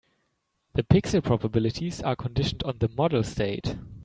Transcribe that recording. The pixel probabilities are conditioned on the model state.